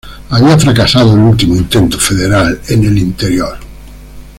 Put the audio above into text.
Había fracasado el último intento federal en el interior.